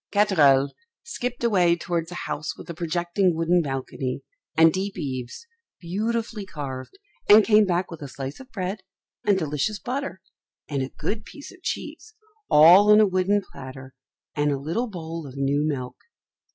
Katherl skipped away towards a house with a projecting wooden balcony, and deep eaves, beautifully carved, and came back with a slice of bread and delicious butter, and a good piece of cheese, all on a wooden platter, and a little bowl of new milk.